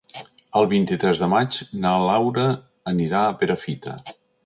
El vint-i-tres de maig na Laura anirà a Perafita.